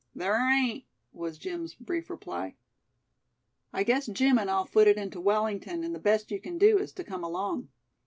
"There ain't," was Jim's brief reply. "I guess Jim and I'll foot it into Wellington and the best you can do is to come along."